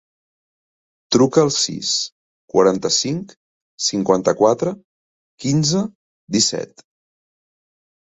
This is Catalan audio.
Truca al sis, quaranta-cinc, cinquanta-quatre, quinze, disset.